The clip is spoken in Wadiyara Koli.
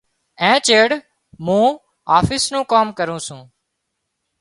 اين چيڙ مُون آفيس نُون ڪام ڪرُون سُون۔